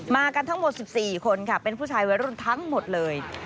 กันทั้งหมด๑๔คนค่ะเป็นผู้ชายวัยรุ่นทั้งหมดเลย